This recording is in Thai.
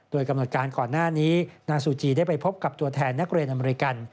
โดยกำหนดการก่อนหน้านี้นางซูจีได้ไปพบกับตัวแทนนักเรียนอเมริกัน